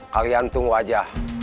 kalian tunggu aja